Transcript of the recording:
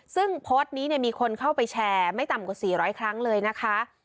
ซึ่งโพสต์นี้มีคนเข้าไปแชร์ไม่ต่ำกว่า๔๐๐ครั้งเลยนะคะ